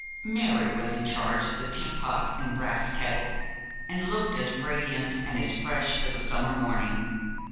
Mary was in charge of the tea pot and brass kettle, and looked as radiant and as fresh as a summer morning.